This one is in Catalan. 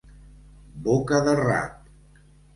Boca de rap.